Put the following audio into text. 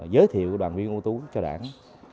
giới thiệu đoàn viên ưu tú cho đảng